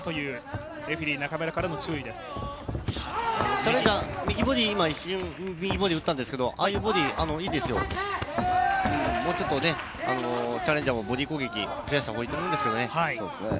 チャレンジャー、右ボディ、今、一瞬打ったんですけどああいうボディー、いいですよ、もうちょっとチャレンジャーもボディー攻撃増やした方がいいと思うんですけどね。